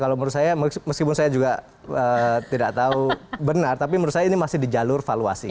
kalau menurut saya meskipun saya juga tidak tahu benar tapi menurut saya ini masih di jalur valuasi